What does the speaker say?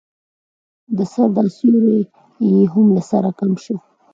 د سر دا سيوری يې هم له سره کم شو.